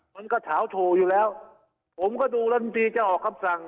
มันก็เฉาโฉอยู่แล้วผมก็ดูรัฐมนตรีจะออกคำสั่ง